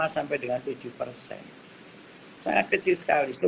sangat kecil sekali